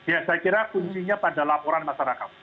ya saya kira kuncinya pada laporan masyarakat